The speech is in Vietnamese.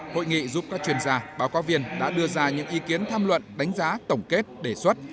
hội nghị giúp các chuyên gia báo cáo viên đã đưa ra những ý kiến tham luận đánh giá tổng kết đề xuất